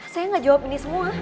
saya nggak jawab ini semua